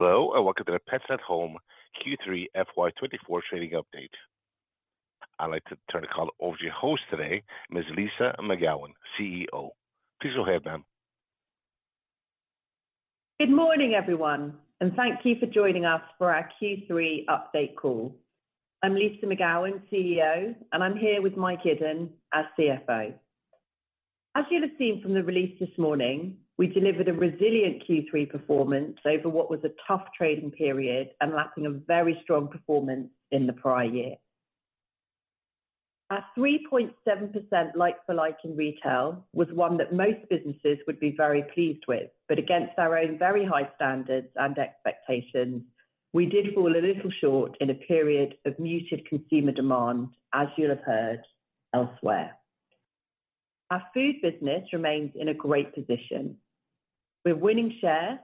Hello, and welcome to the Pets at Home Q3 FY24 trading update. I'd like to turn the call over to your host today, Ms. Lyssa McGowan, CEO. Please go ahead, ma'am. Good morning, everyone, and thank you for joining us for our Q3 update call. I'm Lyssa McGowan, CEO, and I'm here with Mike Iddon, our CFO. As you'll have seen from the release this morning, we delivered a resilient Q3 performance over what was a tough trading period and lapping a very strong performance in the prior year. Our 3.7% like-for-like in retail was one that most businesses would be very pleased with, but against our own very high standards and expectations, we did fall a little short in a period of muted consumer demand, as you'll have heard elsewhere. Our food business remains in a great position. We're winning share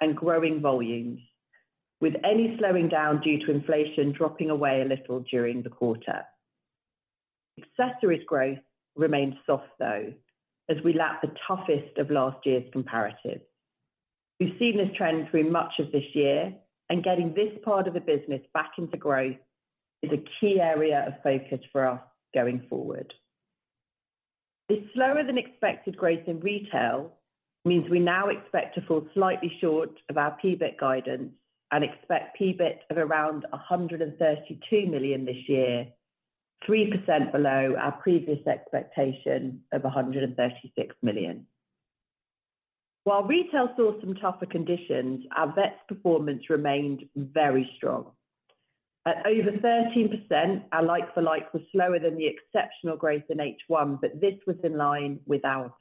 and growing volumes, with any slowing down due to inflation dropping away a little during the quarter. Accessories growth remains soft, though, as we lap the toughest of last year's comparatives. We've seen this trend through much of this year, and getting this part of the business back into growth is a key area of focus for us going forward. The slower than expected growth in retail means we now expect to fall slightly short of our PBIT guidance and expect PBIT of around 132 million this year, 3% below our previous expectation of 136 million. While retail saw some tougher conditions, our vets' performance remained very strong. At over 13%, our like-for-like was slower than the exceptional growth in H1, but this was in line with our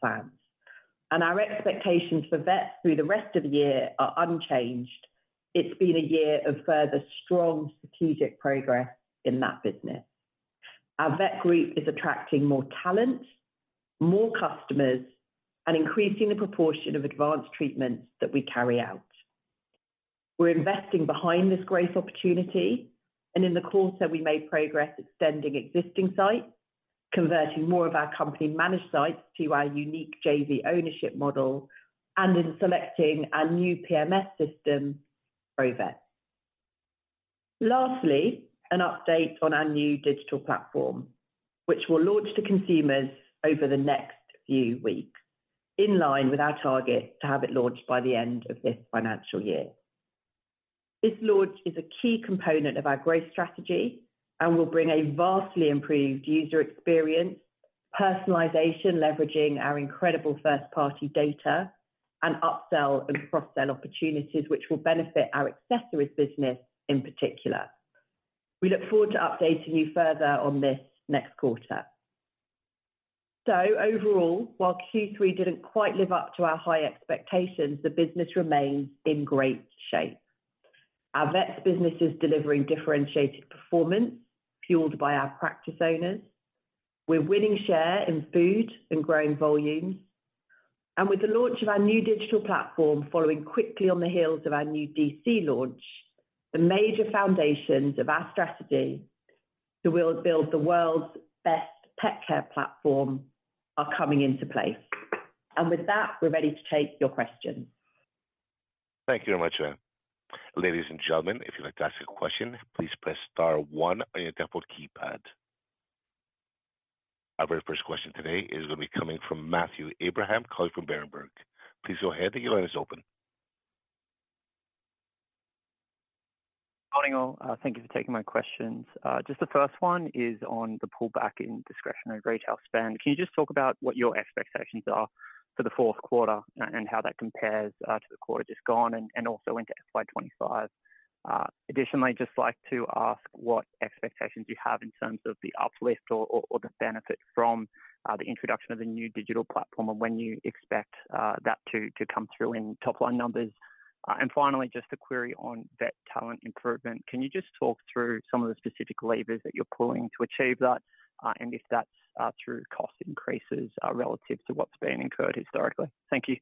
plans. Our expectations for vets through the rest of the year are unchanged. It's been a year of further strong strategic progress in that business. Our vet group is attracting more talent, more customers, and increasing the proportion of advanced treatments that we carry out. We're investing behind this growth opportunity, and in the quarter, we made progress extending existing sites, converting more of our company managed sites to our unique JV ownership model, and in selecting our new PMS system provider. Lastly, an update on our new digital platform, which will launch to consumers over the next few weeks, in line with our target to have it launched by the end of this financial year. This launch is a key component of our growth strategy and will bring a vastly improved user experience, personalization, leveraging our incredible first-party data, and upsell and cross-sell opportunities, which will benefit our accessories business in particular. We look forward to updating you further on this next quarter. Overall, while Q3 didn't quite live up to our high expectations, the business remains in great shape. Our vets business is delivering differentiated performance, fueled by our practice owners. We're winning share in food and growing volumes, and with the launch of our new digital platform, following quickly on the heels of our new DC launch, the major foundations of our strategy to build, build the world's best pet care platform are coming into place. With that, we're ready to take your questions. Thank you very much, ma'am. Ladies and gentlemen, if you'd like to ask a question, please press star one on your telephone keypad. Our very first question today is going to be coming from Matthew Abraham, calling from Berenberg. Please go ahead. Your line is open. Morning, all. Thank you for taking my questions. Just the first one is on the pullback in discretionary retail spend. Can you just talk about what your expectations are for the fourth quarter and how that compares to the quarter just gone and also into FY 25? Additionally, I'd just like to ask what expectations you have in terms of the uplift or the benefit from the introduction of the new digital platform and when you expect that to come through in top-line numbers. And finally, just a query on vet talent improvement. Can you just talk through some of the specific levers that you're pulling to achieve that? And if that's through cost increases relative to what's been incurred historically. Thank you.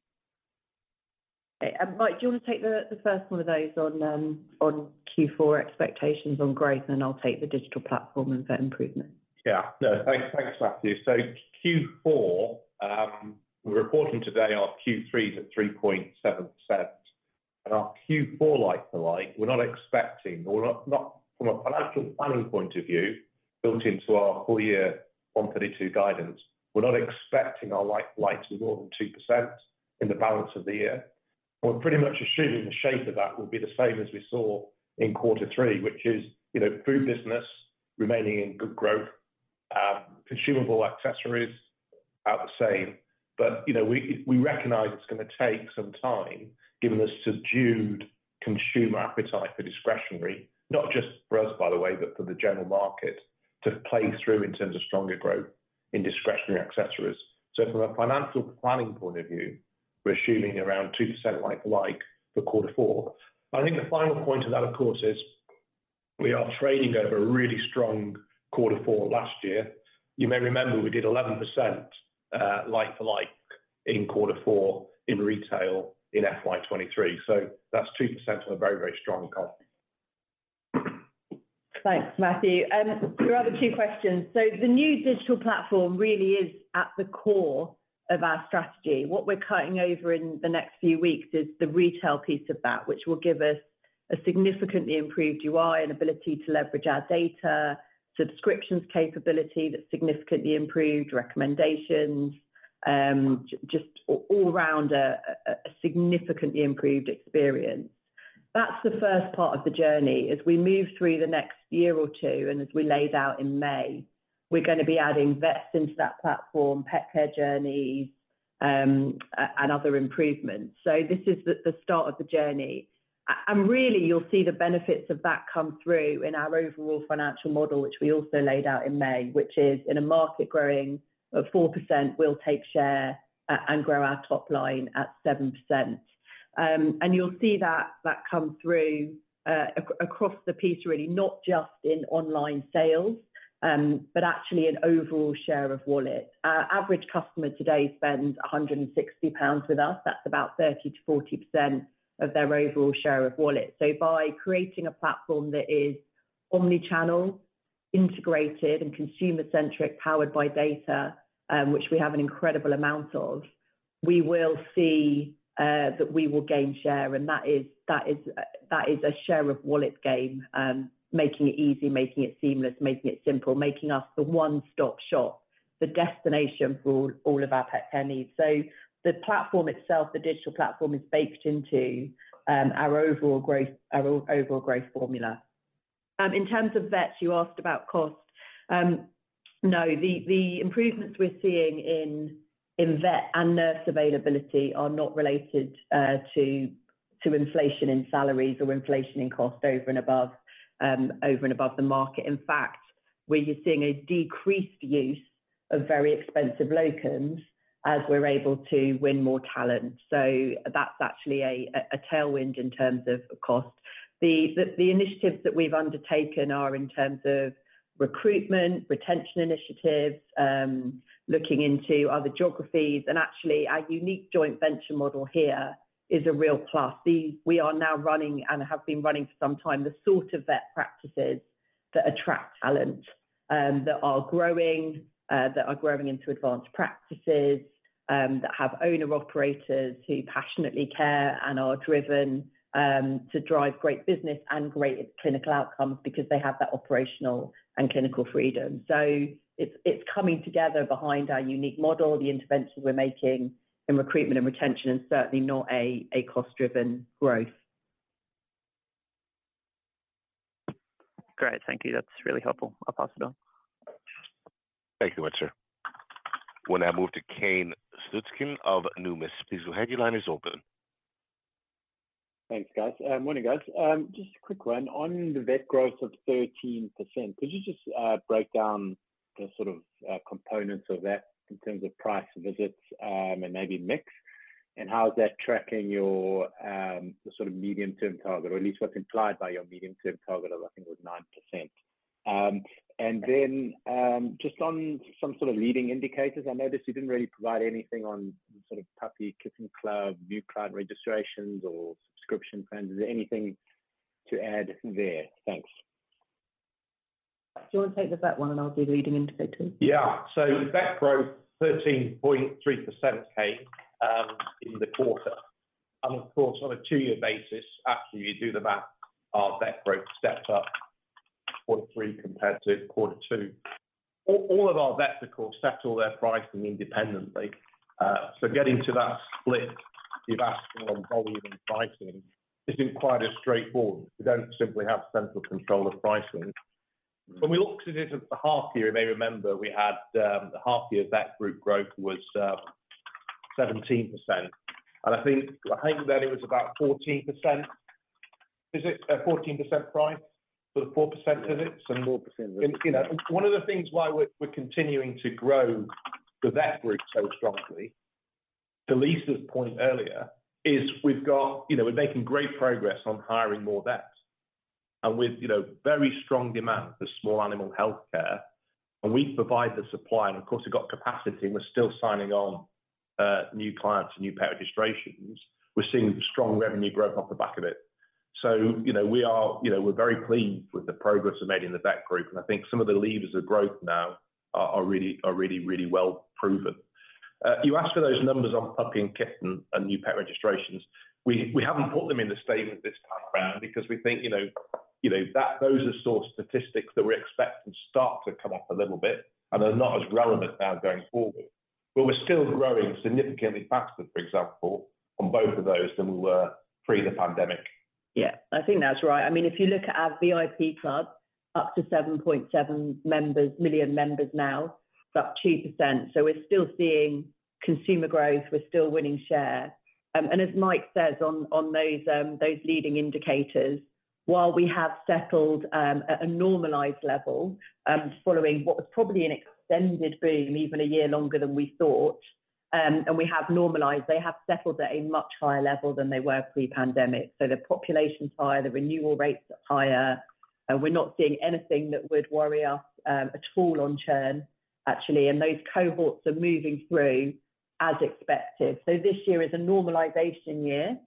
Mike, do you want to take the first one of those on Q4 expectations on growth, and then I'll take the digital platform and vet improvement? Yeah. No, thanks, thanks, Matthew. So Q4, we're reporting today our Q3 is at 3.7%, and our Q4 like-for-like, we're not expecting or not, not from a financial planning point of view, built into our full year 132 guidance, we're not expecting our like-for-like to be more than 2% in the balance of the year. We're pretty much assuming the shape of that will be the same as we saw in quarter three, which is, you know, food business remaining in good growth, consumable accessories are the same. But, you know, we, we recognize it's gonna take some time, given the subdued consumer appetite for discretionary, not just for us, by the way, but for the general market, to play through in terms of stronger growth in discretionary accessories. So from a financial planning point of view, we're assuming around 2% like-for-like for quarter four. I think the final point to that, of course, is we are trading over a really strong quarter four last year. You may remember we did 11%, like-for-like in quarter four in retail in FY 2023, so that's 2% on a very, very strong comp.... Thanks, Matthew. Your other two questions. So the new digital platform really is at the core of our strategy. What we're cutting over in the next few weeks is the retail piece of that, which will give us a significantly improved UI and ability to leverage our data, subscriptions capability that's significantly improved, recommendations, just all around a significantly improved experience. That's the first part of the journey. As we move through the next year or two, and as we laid out in May, we're going to be adding vets into that platform, pet care journeys, and other improvements. So this is the start of the journey. And really, you'll see the benefits of that come through in our overall financial model, which we also laid out in May, which is in a market growing at 4%, we'll take share and grow our top line at 7%. And you'll see that come through across the piece really, not just in online sales, but actually in overall share of wallet. Our average customer today spends 160 pounds with us. That's about 30%-40% of their overall share of wallet. So by creating a platform that is omni-channel, integrated, and consumer-centric, powered by data, which we have an incredible amount of, we will see that we will gain share, and that is a share of wallet game. Making it easy, making it seamless, making it simple, making us the one-stop shop, the destination for all of our pet care needs. So the platform itself, the digital platform, is baked into our overall growth, our overall growth formula. In terms of vets, you asked about cost. No, the improvements we're seeing in vet and nurse availability are not related to inflation in salaries or inflation in cost over and above the market. In fact, we're seeing a decreased use of very expensive locums as we're able to win more talent, so that's actually a tailwind in terms of cost. The initiatives that we've undertaken are in terms of recruitment, retention initiatives, looking into other geographies, and actually our unique joint venture model here is a real plus. We are now running, and have been running for some time, the sort of vet practices that attract talent, that are growing into advanced practices, that have owner-operators who passionately care and are driven to drive great business and great clinical outcomes because they have that operational and clinical freedom. So it's coming together behind our unique model, the interventions we're making in recruitment and retention, and certainly not a cost-driven growth. Great. Thank you. That's really helpful. I'll pass it on. Thank you, Winter. We'll now move to Kane Slutzkin of Numis, please. Your line is open. Thanks, guys. Morning, guys. Just a quick one. On the vet growth of 13%, could you just break down the sort of components of that in terms of price visits, and maybe mix? And how is that tracking your the sort of medium-term target, or at least what's implied by your medium-term target, I think, was 9%. And then, just on some sort of leading indicators, I noticed you didn't really provide anything on sort of puppy, kitten, club, new client registrations, or subscription trends. Is there anything to add there? Thanks. Do you want to take the vet one, and I'll do leading indicators? Yeah. So vet growth, 13.3%, Kane, in the quarter. And of course, on a two-year basis, after you do the math, our vet growth stepped up quarter three compared to quarter two. All, all of our vets, of course, set all their pricing independently. So getting to that split you're asking on volume and pricing isn't quite as straightforward. We don't simply have central control of pricing. When we looked at it at the half year, you may remember we had, the half year vet group growth was, 17%, and I think, I think that it was about 14%. Is it a 14% price for the 4% visits? 4%, yes. You know, one of the things why we're continuing to grow the vet group so strongly, to Lyssa's point earlier, is we've got... You know, we're making great progress on hiring more vets, and with, you know, very strong demand for small animal healthcare, and we provide the supply. And of course, we've got capacity, and we're still signing on new clients and new pet registrations. We're seeing strong revenue growth off the back of it. So, you know, we are, you know, we're very pleased with the progress we've made in the vet group, and I think some of the levers of growth now are really, really well proven. You asked for those numbers on puppy and kitten and new pet registrations. We haven't put them in the statement this time around because we think, you know, you know, that those are sort of statistics that we expect to start to come up a little bit, and they're not as relevant now going forward. But we're still growing significantly faster, for example, on both of those than we were pre the pandemic. Yeah, I think that's right. I mean, if you look at our VIP Club, up to 7.7 million members now, it's up 2%. So we're still seeing consumer growth, we're still winning share. And as Mike says on those leading indicators, while we have settled at a normalized level following what was probably an extended boom, even a year longer than we thought, and we have normalized, they have settled at a much higher level than they were pre-pandemic. So the population's higher, the renewal rates are higher, and we're not seeing anything that would worry us at all on churn, actually, and those cohorts are moving through as expected. So this year is a normalization year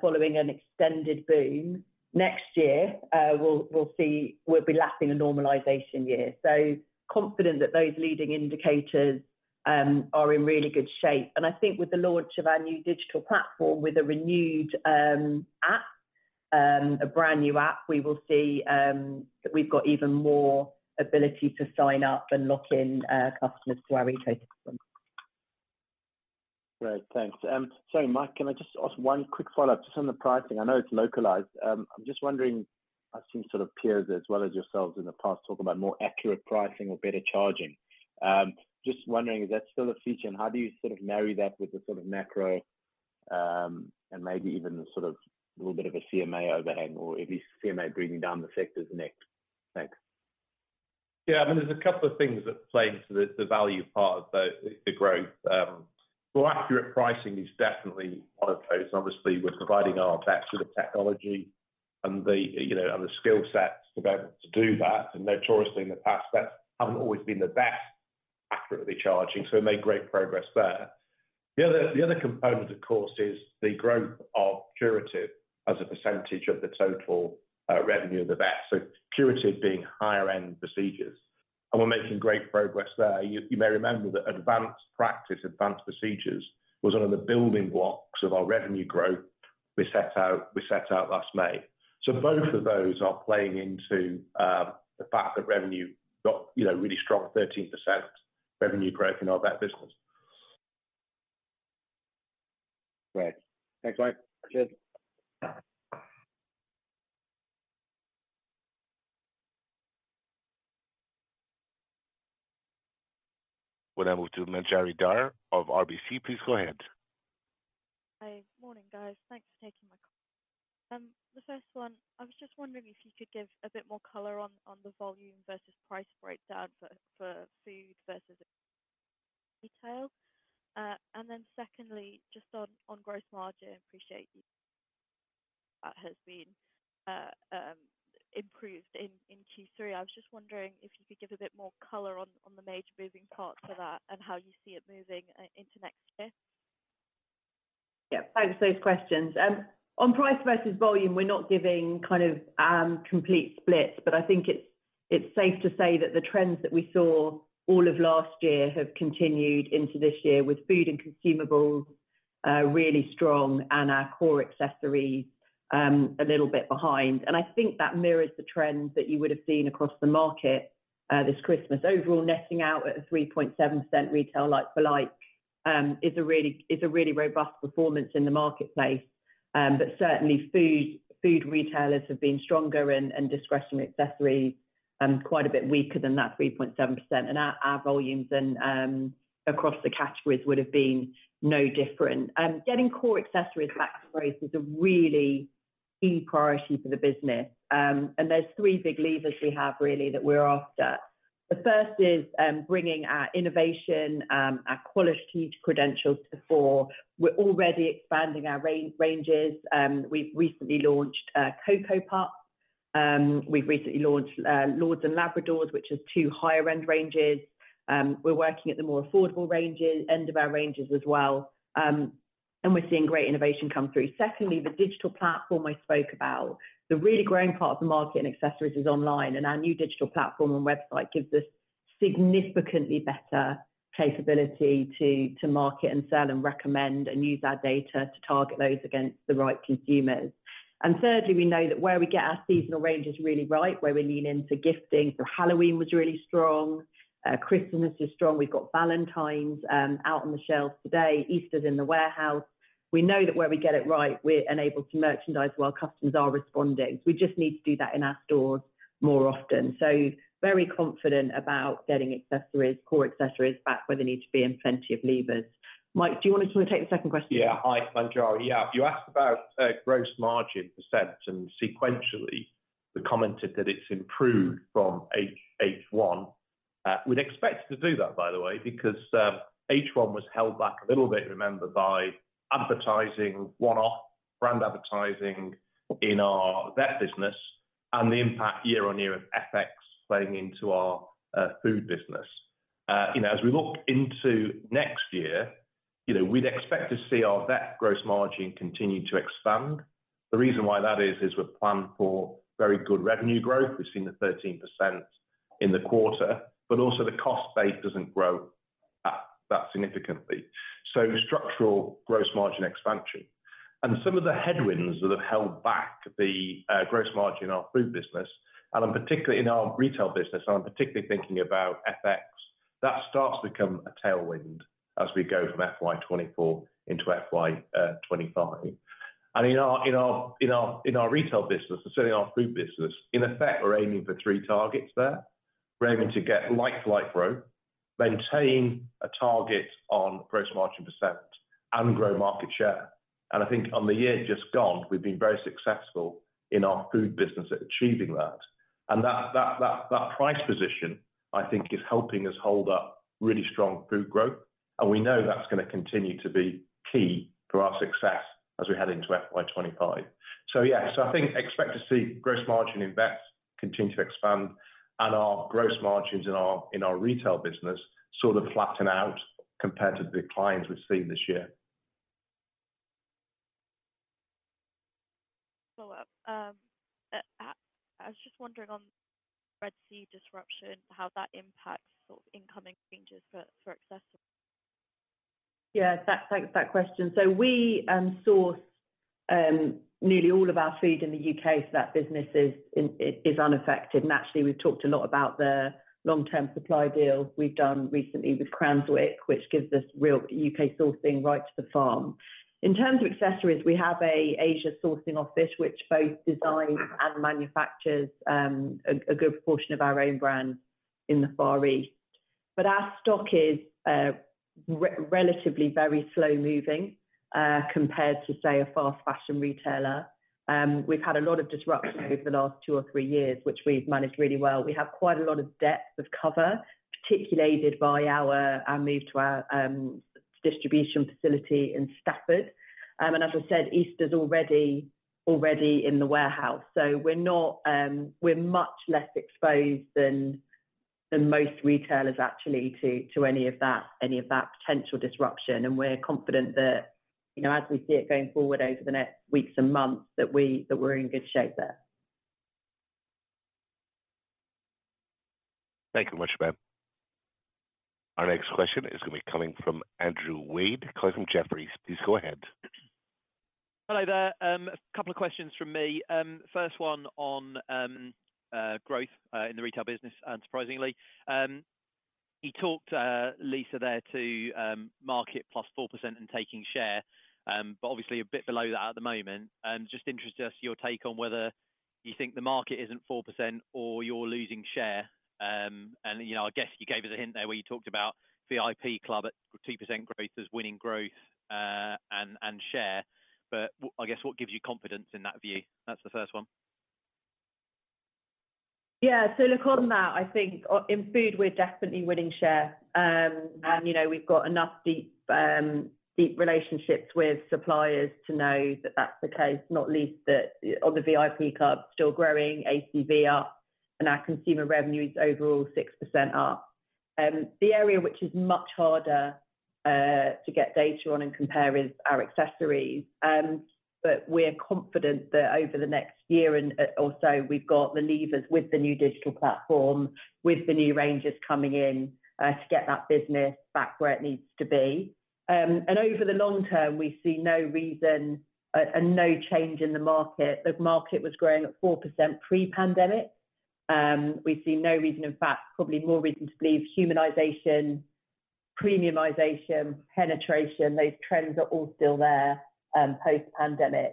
following an extended boom. Next year, we'll see. We'll be lapping a normalization year. So confident that those leading indicators are in really good shape. I think with the launch of our new digital platform, with a renewed app, a brand new app, we will see that we've got even more ability to sign up and lock in customers to our retail system. Great. Thanks. Sorry, Mike, can I just ask one quick follow-up just on the pricing? I know it's localized. I'm just wondering, I've seen sort of peers as well as yourselves in the past talk about more accurate pricing or better charging. Just wondering, is that still a feature, and how do you sort of marry that with the sort of macro, and maybe even the sort of little bit of a CMA overhang, or at least CMA bringing down the sectors next? Thanks. Yeah, I mean, there's a couple of things that play into the value part, so the growth. Well, accurate pricing is definitely one of those. Obviously, we're providing our vet sort of technology and the, you know, and the skill sets to be able to do that, and notoriously in the past, that hasn't always been the best accurately charging, so we've made great progress there. The other component, of course, is the growth of curative as a percentage of the total revenue of the vet, so curative being higher end procedures, and we're making great progress there. You may remember that advanced practice, advanced procedures was one of the building blocks of our revenue growth we set out, we set out last May. Both of those are playing into the fact that revenue got, you know, really strong, 13% revenue growth in our vet business. Great. Thanks, Mike. Cheers. We're now moving to Manjari Dhar of RBC. Please go ahead. Hi. Morning, guys. Thanks for taking my call. The first one, I was just wondering if you could give a bit more color on the volume versus price breakdown for food versus retail. And then secondly, just on gross margin, I appreciate that has been improved in Q3. I was just wondering if you could give a bit more color on the major moving parts to that and how you see it moving into next year. Yeah, thanks for those questions. On price versus volume, we're not giving kind of complete splits, but I think it's safe to say that the trends that we saw all of last year have continued into this year, with food and consumables really strong and our core accessories a little bit behind. And I think that mirrors the trends that you would have seen across the market this Christmas. Overall, netting out at a 3.7% retail like-for-like is a really robust performance in the marketplace. But certainly food retailers have been stronger and discretionary accessories quite a bit weaker than that 3.7%. And our volumes and across the categories would have been no different. Getting core accessories back to growth is a really key priority for the business. There's three big levers we have really that we're after. The first is, bringing our innovation, our quality credentials to the fore. We're already expanding our range, ranges. We've recently launched CocpPup. We've recently launched Lords & Labradors, which is two higher end ranges. We're working at the more affordable ranges, end of our ranges as well, and we're seeing great innovation come through. Secondly, the digital platform I spoke about, the really growing part of the market and accessories is online, and our new digital platform and website gives us significantly better capability to market and sell and recommend and use our data to target those against the right consumers. Thirdly, we know that where we get our seasonal ranges really right, where we lean into gifting, so Halloween was really strong, Christmas is strong. We've got Valentine's out on the shelves today. Easter's in the warehouse. We know that where we get it right, we're enabled to merchandise while customers are responding. We just need to do that in our stores more often. Very confident about getting accessories, core accessories back where they need to be in plenty of levers. Mike, do you want to take the second question? Yeah. Hi, Manjari. Yeah, you asked about gross margin percent and sequentially, we commented that it's improved from H1. We'd expect to do that, by the way, because H1 was held back a little bit, remember, by advertising, one-off brand advertising in our vet business and the impact year-on-year of FX playing into our food business. You know, as we look into next year, you know, we'd expect to see our vet gross margin continue to expand. The reason why that is, is we've planned for very good revenue growth. We've seen the 13% in the quarter, but also the cost base doesn't grow up that significantly. So structural gross margin expansion. Some of the headwinds that have held back the gross margin in our food business, and particularly in our retail business, I'm particularly thinking about FX, that starts to become a tailwind as we go from FY 2024 into FY 2025. In our retail business, and certainly our food business, in effect, we're aiming for 3 targets there. We're aiming to get like-for-like growth, maintain a target on gross margin %, and grow market share. And I think on the year just gone, we've been very successful in our food business at achieving that. And that price position, I think, is helping us hold up really strong food growth, and we know that's going to continue to be key for our success as we head into FY 2025. So yeah, I think expect to see gross margin in Vets continue to expand, and our gross margins in our retail business sort of flatten out compared to the declines we've seen this year. I was just wondering on Red Sea disruption, how that impacts sort of incoming changes for accessories? Yeah, thanks for that question. So we source nearly all of our food in the U.K., so that business is unaffected. And actually, we've talked a lot about the long-term supply deals we've done recently with Cranswick, which gives us real U.K. sourcing right to the farm. In terms of accessories, we have an Asia sourcing office, which both designs and manufactures a good portion of our own brand in the Far East. But our stock is relatively very slow-moving compared to, say, a fast fashion retailer. We've had a lot of disruption over the last two or three years, which we've managed really well. We have quite a lot of depth of cover, particularly aided by our move to our distribution facility in Stafford. And as I said, Easter's already in the warehouse, so we're not. We're much less exposed than most retailers, actually, to any of that potential disruption. And we're confident that, you know, as we see it going forward over the next weeks and months, that we're in good shape there. Thank you very much, ma'am. Our next question is going to be coming from Andrew Wade, coming from Jefferies. Please go ahead. Hello there. A couple of questions from me. First one on growth in the retail business, unsurprisingly. You talked, Lyssa, there to market +4% and taking share, but obviously a bit below that at the moment. Just interested as to your take on whether you think the market isn't 4% or you're losing share. And, you know, I guess you gave us a hint there where you talked about VIP Club at 2% growth as winning growth and share. But I guess, what gives you confidence in that view? That's the first one. Yeah. So look, on that, I think, in food, we're definitely winning share. And, you know, we've got enough deep, deep relationships with suppliers to know that that's the case, not least that on the VIP Club, still growing ACV up, and our consumer revenue is overall 6% up. The area which is much harder, to get data on and compare is our accessories. But we're confident that over the next year and, also we've got the levers with the new digital platform, with the new ranges coming in, to get that business back where it needs to be. And over the long term, we see no reason, and no change in the market. The market was growing at 4% pre-pandemic. We see no reason, in fact, probably more reason to believe humanization, premiumization, penetration, those trends are all still there, post-pandemic.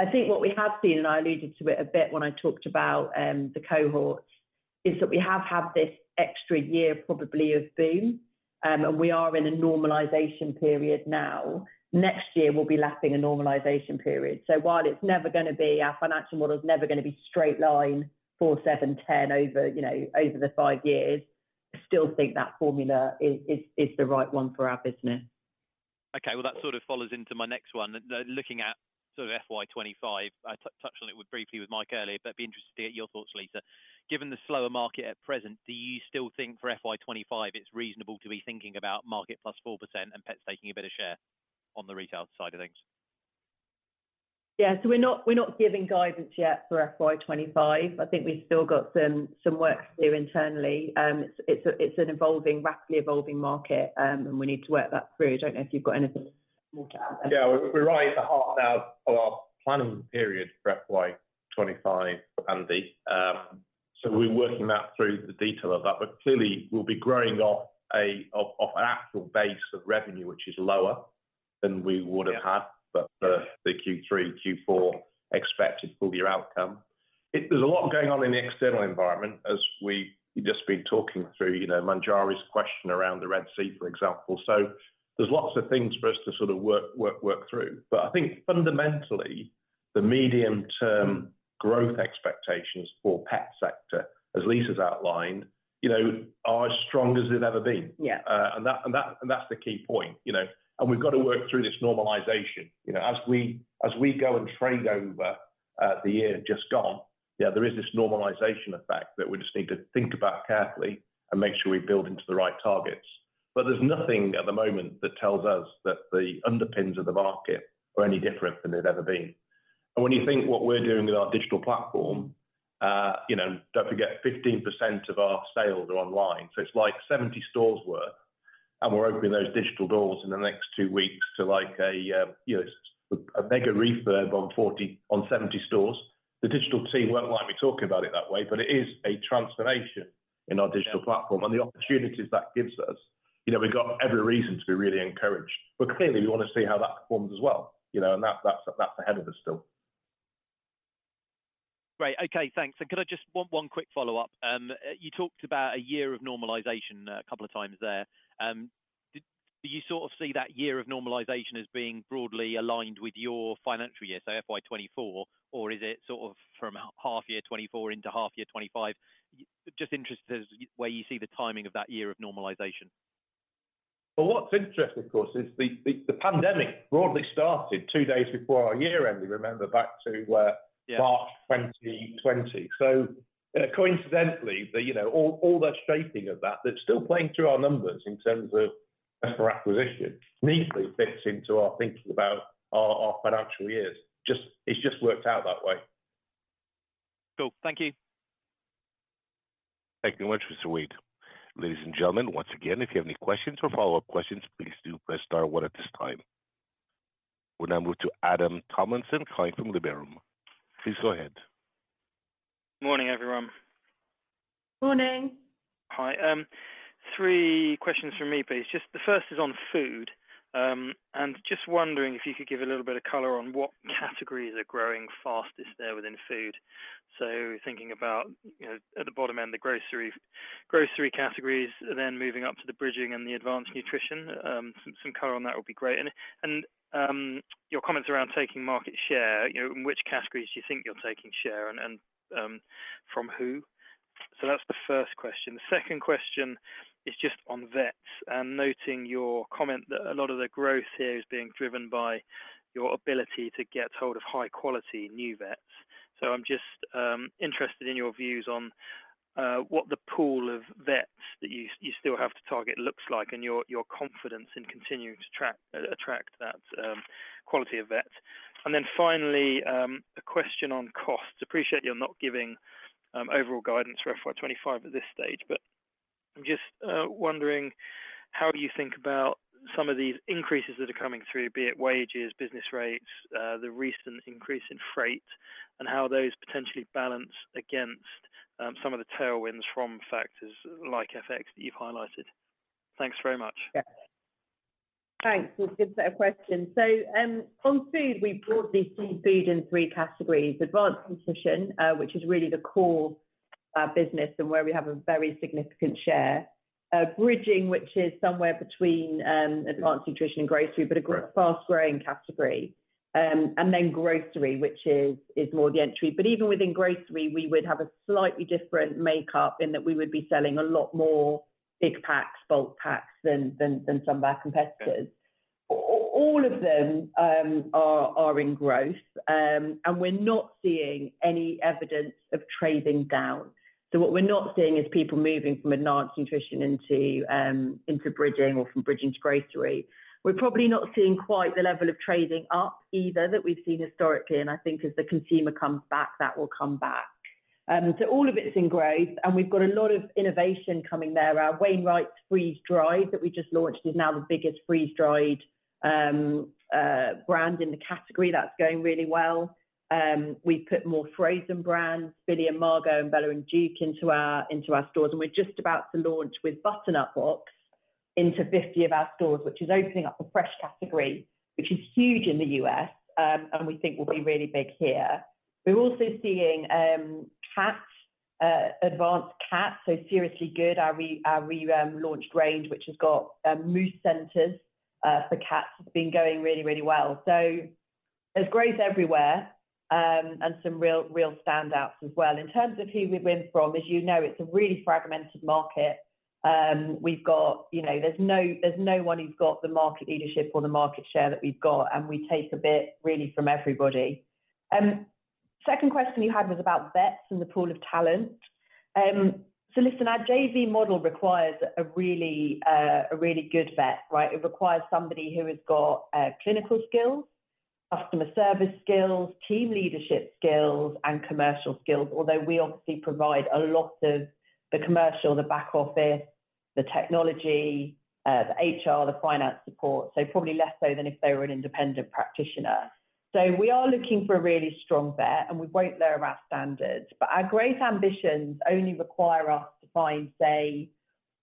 I think what we have seen, and I alluded to it a bit when I talked about the cohorts, is that we have had this extra year probably of boom, and we are in a normalization period now. Next year, we'll be lapping a normalization period. So while it's never gonna be, our financial model is never gonna be straight line for seven, ten over, you know, over the five years, I still think that formula is the right one for our business. Okay, well, that sort of follows into my next one. Looking at sort of FY 25, I touched on it briefly with Mike earlier, but I'd be interested to get your thoughts, Lyssa. Given the slower market at present, do you still think for FY 25, it's reasonable to be thinking about market plus 4% and Pets taking a bit of share on the retail side of things? Yeah. So we're not giving guidance yet for FY 25. I think we've still got some work to do internally. It's an evolving, rapidly evolving market, and we need to work that through. I don't know if you've got anything more to add there. Yeah, we're right at the heart now of our planning period for FY 25, Andy. So we're working that through the detail of that, but clearly, we'll be growing off an actual base of revenue, which is lower than we would have had, but the Q3, Q4 expected full year outcome. There's a lot going on in the external environment as we've just been talking through, you know, Manjari's question around the Red Sea, for example. So there's lots of things for us to sort of work through. But I think fundamentally, the medium-term growth expectations for pet sector, as Lyssa's outlined, you know, are as strong as they've ever been. Yeah. And that's the key point, you know? And we've got to work through this normalization. You know, as we go and trade over the year just gone, yeah, there is this normalization effect that we just need to think about carefully and make sure we build into the right targets. But there's nothing at the moment that tells us that the underpinnings of the market are any different than they've ever been. And when you think what we're doing with our digital platform, you know, don't forget, 15% of our sales are online, so it's like 70 stores worth, and we're opening those digital doors in the next two weeks to like a, you know, a mega refurb on 40, on 70 stores. The digital team won't like me talking about it that way, but it is a transformation in our digital platform and the opportunities that gives us. You know, we've got every reason to be really encouraged, but clearly, we want to see how that performs as well, you know, and that's ahead of us still. Great. Okay, thanks. And could I just... One quick follow-up. You talked about a year of normalization a couple of times there. Do you sort of see that year of normalization as being broadly aligned with your financial year, so FY 2024, or is it sort of from half year 2024 into half year 2025? Just interested where you see the timing of that year of normalization.... But what's interesting, of course, is the pandemic broadly started two days before our year end. We remember back to... Yeah March 2020. So, coincidentally, you know, all the shaping of that, they're still playing through our numbers in terms of better acquisition, neatly fits into our thinking about our financial years. Just, it's just worked out that way. Cool. Thank you. Thank you very much, Sweet. Ladies and gentlemen, once again, if you have any questions or follow-up questions, please do press star one at this time. We now move to Adam Tomlinson calling from Liberum. Please go ahead. Morning, everyone. Morning. Hi, three questions from me, please. Just the first is on food, and just wondering if you could give a little bit of color on what categories are growing fastest there within food. So thinking about, you know, at the bottom end, the grocery categories, then moving up to the bridging and the advanced nutrition, some color on that will be great. And your comments around taking market share, you know, in which categories do you think you're taking share and from who? So that's the first question. The second question is just on vets, and noting your comment that a lot of the growth here is being driven by your ability to get hold of high quality new vets. So I'm just interested in your views on what the pool of vets that you still have to target looks like, and your confidence in continuing to attract that quality of vets. Then finally, a question on costs. I appreciate you're not giving overall guidance for FY 25 at this stage, but I'm just wondering how do you think about some of these increases that are coming through, be it wages, business rates, the recent increase in freight, and how those potentially balance against some of the tailwinds from factors like FX that you've highlighted? Thanks very much. Yeah. Thanks. It's a good set of questions. So, on food, we've broadly seen food in three categories: advanced nutrition, which is really the core business and where we have a very significant share. Bridging, which is somewhere between advanced nutrition and grocery, but a fast-growing category. And then grocery, which is more the entry. But even within grocery, we would have a slightly different makeup in that we would be selling a lot more big packs, bulk packs, than some of our competitors. All of them are in growth, and we're not seeing any evidence of trading down. So what we're not seeing is people moving from advanced nutrition into bridging or from bridging to grocery. We're probably not seeing quite the level of trading up either that we've seen historically, and I think as the consumer comes back, that will come back. So all of it is in growth, and we've got a lot of innovation coming there. Our Wainwright's freeze-dried that we just launched is now the biggest freeze-dried brand in the category. That's going really well. We've put more frozen brands, Billy and Margot and Bella and Duke, into our stores, and we're just about to launch with Butternut Box into 50 of our stores, which is opening up a fresh category, which is huge in the U.S., and we think will be really big here. We're also seeing cat advanced cat, so Seriously Good. Our relaunched range, which has got moist centers for cats, has been going really, really well. So there's growth everywhere, and some real, real standouts as well. In terms of who we win from, as you know, it's a really fragmented market. We've got, you know, there's no, there's no one who's got the market leadership or the market share that we've got, and we take a bit, really, from everybody. Second question you had was about vets and the pool of talent. So listen, our JV model requires a really, a really good vet, right? It requires somebody who has got clinical skills, customer service skills, team leadership skills, and commercial skills. Although we obviously provide a lot of the commercial, the back office, the technology, the HR, the finance support, so probably less so than if they were an independent practitioner. So we are looking for a really strong vet, and we won't lower our standards. But our growth ambitions only require us to find, say,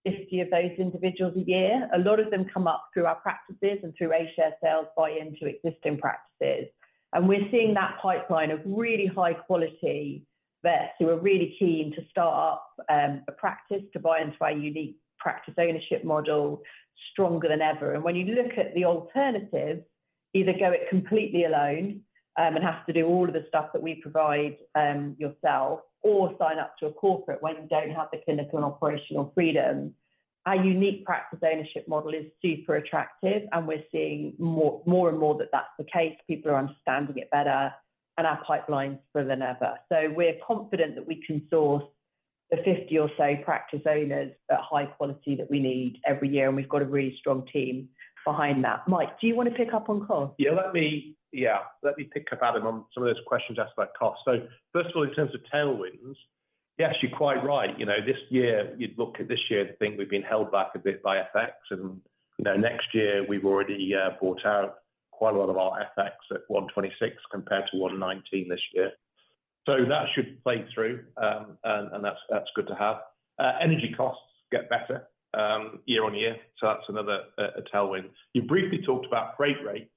50 of those individuals a year. A lot of them come up through our practices and through share sales buy into existing practices. And we're seeing that pipeline of really high quality vets who are really keen to start up, a practice to buy into our unique practice ownership model, stronger than ever. When you look at the alternative, either go it completely alone, and have to do all of the stuff that we provide, yourself, or sign up to a corporate where you don't have the clinical and operational freedom. Our unique practice ownership model is super attractive, and we're seeing more and more that that's the case. People are understanding it better, and our pipeline is fuller than ever. So we're confident that we can source the 50 or so practice owners at high quality that we need every year, and we've got a really strong team behind that. Mike, do you want to pick up on costs? Yeah, let me pick up, Adam, on some of those questions asked about cost. So first of all, in terms of tailwinds, yes, you're quite right. You know, this year, you'd look at this year and think we've been held back a bit by FX, and, you know, next year, we've already brought out quite a lot of our FX at 1.26 compared to 1.19 this year. So that should play through, and that's good to have. Energy costs get better year on year, so that's another tailwind. You briefly talked about freight rates,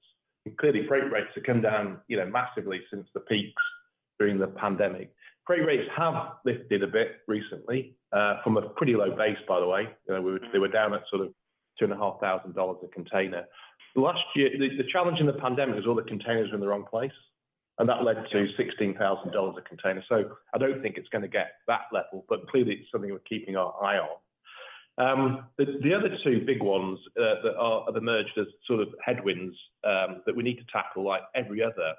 and clearly, freight rates have come down, you know, massively since the peaks during the pandemic. Freight rates have lifted a bit recently from a pretty low base, by the way. You know, we were down at sort of $2,500 a container. Last year, the challenge in the pandemic is all the containers were in the wrong place. And that led to $16,000 a container. So I don't think it's gonna get that level, but clearly, it's something we're keeping our eye on. The other two big ones that have emerged as sort of headwinds that we need to tackle, like every other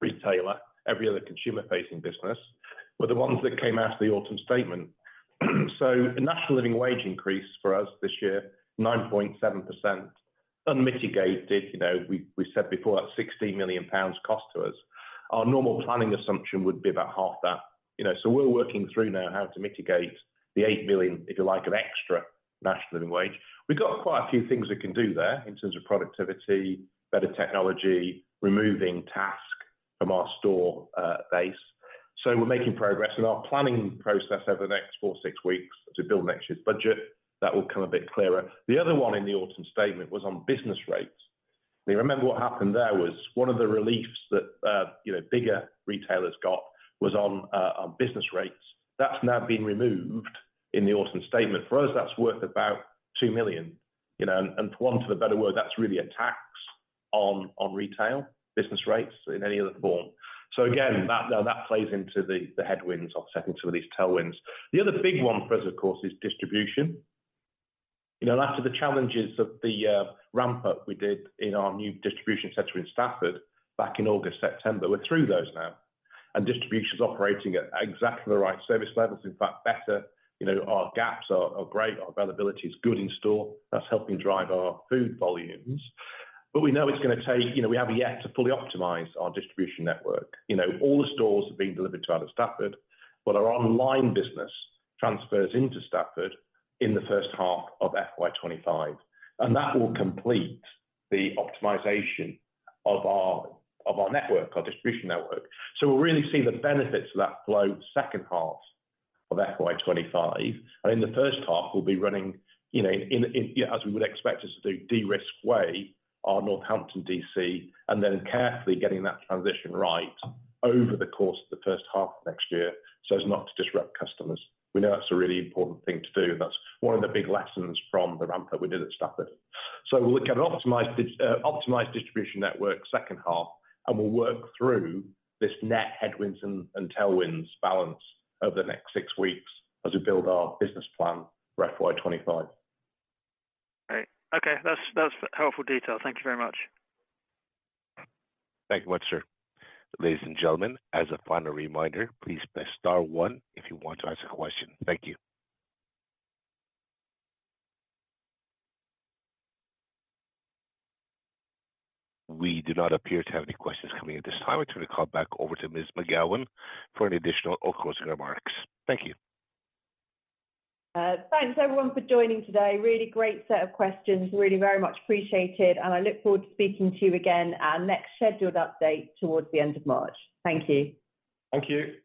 retailer, every other consumer-facing business, were the ones that came out of the Autumn Statement. So the National Living Wage increase for us this year, 9.7%, unmitigated, you know, we said before, that's 60 million pounds cost to us. Our normal planning assumption would be about half that, you know. So we're working through now how to mitigate the 8 million, if you like, of extra National Living Wage. We've got quite a few things we can do there in terms of productivity, better technology, removing task from our store base. So we're making progress in our planning process over the next four to six weeks to build next year's budget. That will become a bit clearer. The other one in the Autumn Statement was on business rates. You remember what happened there was one of the reliefs that, you know, bigger retailers got was on, on business rates. That's now been removed in the Autumn Statement. For us, that's worth about 2 million, you know, and for want of a better word, that's really a tax on, on retail, business rates in any other form. So again, that plays into the headwinds offsetting some of these tailwinds. The other big one for us, of course, is distribution. You know, after the challenges of the ramp up we did in our new distribution center in Stafford back in August, September, we're through those now, and distribution is operating at exactly the right service levels, in fact, better. You know, our gaps are great, our availability is good in store. That's helping drive our food volumes, but we know it's gonna take... You know, we have yet to fully optimize our distribution network. You know, all the stores are being delivered to out of Stafford, but our online business transfers into Stafford in the first half of FY 2025, and that will complete the optimization of our network, our distribution network. So we'll really see the benefits of that flow second half of FY 25, and in the first half, we'll be running, you know, in a, as we would expect us to do, de-risk way, our Northampton DC, and then carefully getting that transition right over the course of the first half of next year so as not to disrupt customers. We know that's a really important thing to do, and that's one of the big lessons from the ramp up we did at Stafford. So we'll look at an optimized distribution network second half, and we'll work through this net headwinds and tailwinds balance over the next six weeks as we build our business plan for FY 25. Great. Okay, that's, that's helpful detail. Thank you very much. Thank you, much, sir. Ladies and gentlemen, as a final reminder, please press star one if you want to ask a question. Thank you. We do not appear to have any questions coming in at this time. I turn the call back over to Ms. McGowan for any additional or closing remarks. Thank you. Thanks, everyone, for joining today. Really great set of questions. Really very much appreciated, and I look forward to speaking to you again at our next scheduled update towards the end of March. Thank you. Thank you.